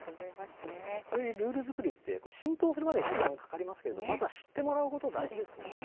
そうですね、こういうルール作りって、浸透するまでに時間がかかりますけれども、まずは知ってもらうこと、大事ですよね。